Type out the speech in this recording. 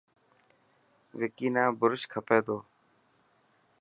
وڪي نا برش کپي تو.